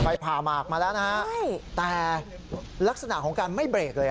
ผ่าหมากมาแล้วนะฮะใช่แต่ลักษณะของการไม่เบรกเลย